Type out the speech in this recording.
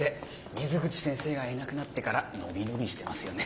水口先生がいなくなってから伸び伸びしてますよね。